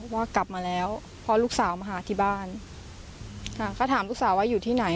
ว่ากลับมาแล้วพอลูกสาวมาหาที่บ้านค่ะก็ถามลูกสาวว่าอยู่ที่ไหน